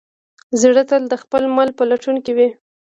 زړه تل د خپل مل په لټون کې وي.